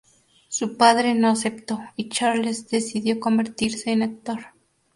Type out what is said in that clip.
Su padre no aceptó y Charles decidió convertirse en actor.